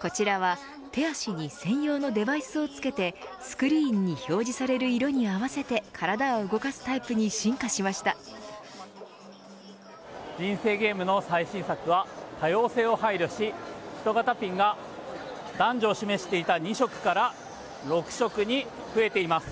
こちらは手足に専用のデバイスを着けてスクリーンに表示される色に合わせて体を動かすタイプに人生ゲームの最新作は多様性を配慮し、人型ピンが男女を示していた２色から６色に増えています。